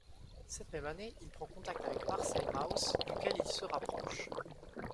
Cette même année, il prend contact avec Marcel Mauss, duquel il se rapproche.